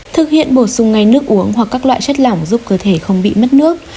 thực hiện bổ sung ngay nước uống hoặc các loại chất lỏng giúp cơ thể không bị mất nước